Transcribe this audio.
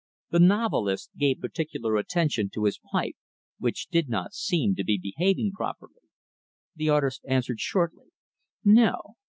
The novelist gave particular attention to his pipe which did not seem to be behaving properly. The artist answered shortly, "No."